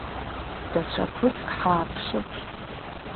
Даҽа ԥыҭк ҳааԥшып.